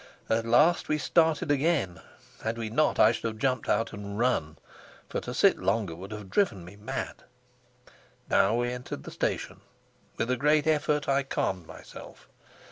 At last we started again; had we not, I should have jumped out and run, for to sit longer would have driven me mad. Now we entered the station. With a great effort I calmed myself.